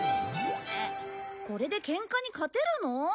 これでケンカに勝てるの？